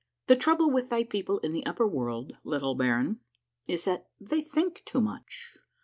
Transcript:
The trouble with thy people in the upper world, little baron, is that they think too much.